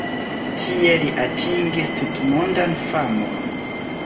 Tie li atingis tutmondan famon.